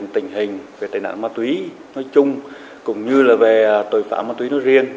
tình hình về tài nạn ma túy nói chung cũng như là về tội phạm ma túy nó riêng